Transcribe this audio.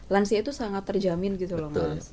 lansia itu sangat terjamin gitu loh mas